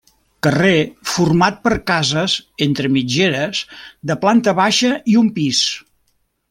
Carrer format per cases entre mitgeres de planta baixa i un pis.